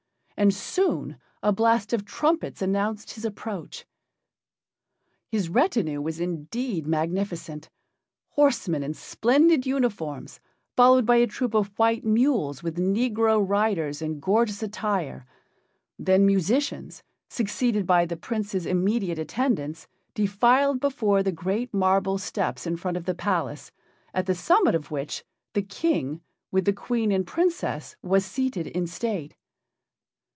And soon a blast of trumpets announced his approach. His retinue was indeed magnificent; horsemen in splendid uniforms, followed by a troop of white mules with negro riders in gorgeous attire, then musicians, succeeded by the Prince's immediate attendants, defiled before the great marble steps in front of the palace, at the summit of which the King, with the Queen and Princess, was seated in state.